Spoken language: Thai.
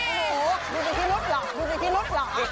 โอ้โหดูสิทธินุสหรอก